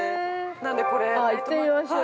なんで、これ◆はい、行ってみましょう。